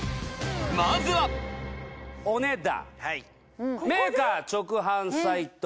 まずはお値段・